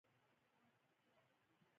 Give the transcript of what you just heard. د ودانیو جوړول په معیاري توګه ترسره کیږي.